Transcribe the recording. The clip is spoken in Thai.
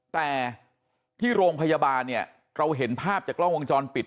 แต่ที่โรงพยาบาลเนี่ยเราเห็นภาพจากกล้องวงจรปิด